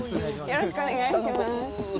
よろしくお願いします。